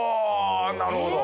なるほど！